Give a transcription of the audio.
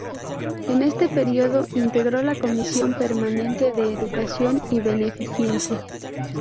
En este período integró la Comisión permanente de Educación y Beneficencia.